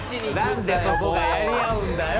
なんでそこがやり合うんだよ